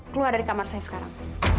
keluar dari kamar saya sekarang